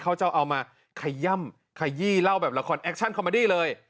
จะเอามาขย่ำขยี้เล่าแบบละครแอคชั่นคอมเมอดี้เลย